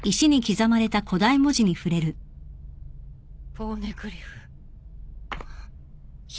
ポーネグリフ。